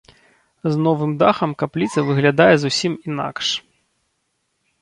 З новым дахам капліца выглядае зусім інакш.